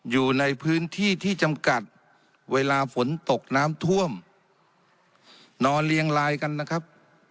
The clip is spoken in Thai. อยู่ในพื้นที่ที่จำกัดเวลาฝนตกน้ำท่วมนอนเรียงลายกันนะครับ